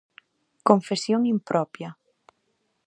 Confesión impropia.